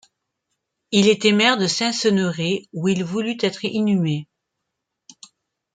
Il était maire de Saint-Ceneré où il voulut être inhumé.